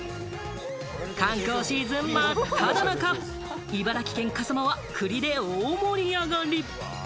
観光シーズン真っ只中、茨城県笠間は栗で大盛り上がり！